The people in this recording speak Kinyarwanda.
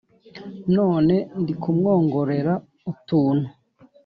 None ndikumwongorera utunu